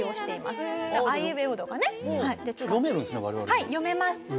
はい読めます。